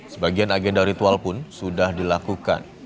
sebagian agenda ritual pun sudah dilakukan